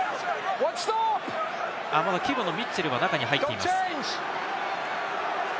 まだミッチェルは中に入っています。